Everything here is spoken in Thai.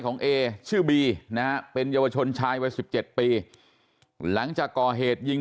เอชื่อบีนะฮะเป็นเยาวชนชายวัย๑๗ปีหลังจากก่อเหตุยิง